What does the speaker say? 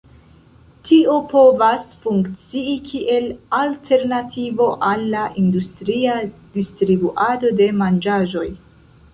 Tio povas funkcii kiel alternativo al la industria distribuado de manĝaĵoj.